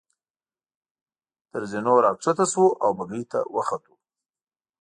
تر زینو را کښته شوو او بګۍ ته وختو.